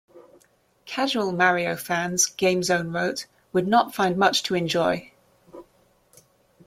Casual "Mario" fans, "GameZone" wrote, would not find much to enjoy.